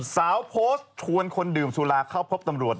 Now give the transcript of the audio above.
โพสต์ชวนคนดื่มสุราเข้าพบตำรวจ